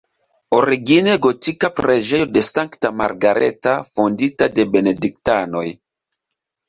Origine gotika preĝejo de Sankta Margareta, fondita de benediktanoj.